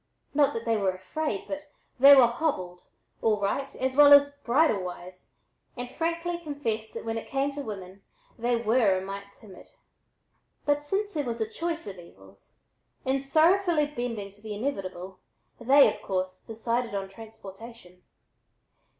Not that they were afraid, but they were "hobbled," all right, as well as "bridle wise," and frankly confessed that when it came to women, they were "a mite timid." But since there was a choice of evils, in sorrowfully bending to the inevitable they, of course, decided on "transportation."